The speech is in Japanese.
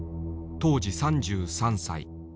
当時３３歳。